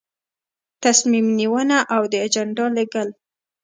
تصمیم نیونه او د اجنډا لیږل.